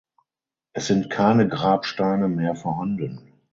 Es sind keine Grabsteine mehr vorhanden.